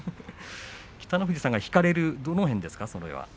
北の富士さんが引かれるのは、どの辺ですか。